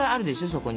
そこに。